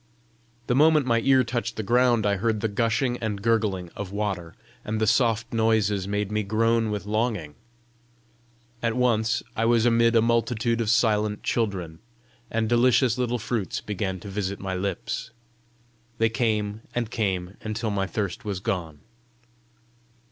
The moment my ear touched the ground, I heard the gushing and gurgling of water, and the soft noises made me groan with longing. At once I was amid a multitude of silent children, and delicious little fruits began to visit my lips. They came and came until my thirst was gone.